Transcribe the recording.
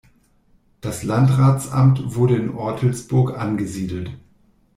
Das Landratsamt wurde in Ortelsburg angesiedelt.